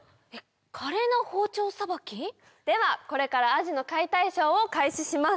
華麗な包丁さばき？ではこれからアジの解体ショーを開始します。